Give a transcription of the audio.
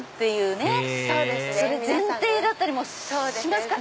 へぇそれ前提だったりもしますかね。